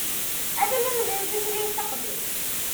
Ad lemden tutlayt taqbaylit.